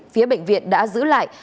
phía bệnh viện đã giữ lại